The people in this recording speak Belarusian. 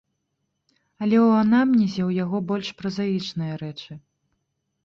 Але ў анамнезе ў яго больш празаічныя рэчы.